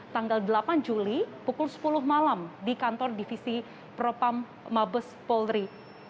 tanggal delapan juli pukul sepuluh malam di kantor divisi propam mabes polri